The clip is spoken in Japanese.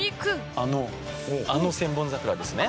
あの『千本桜』ですね。